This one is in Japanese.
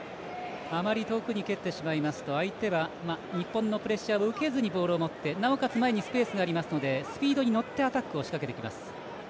あまり遠くに蹴ってしまいますと相手は日本のプレッシャーを受けずにボールを持ってなおかつ前にスペースがあるのでスピードに乗ってアタックを仕掛けてきます。